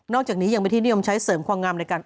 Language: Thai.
จากนี้ยังเป็นที่นิยมใช้เสริมความงามในการ